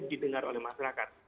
didengar oleh masyarakat